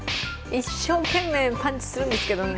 一生懸命パンチするんですけどね。